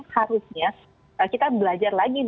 harusnya kita belajar lagi